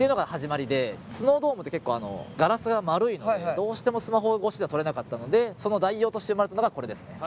スノードームって結構ガラスが丸いのでどうしてもスマホ越しでは撮れなかったのでその代用として生まれたのがこれですね。